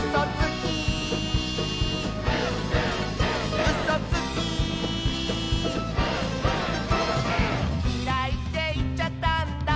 「きらいっていっちゃったんだ」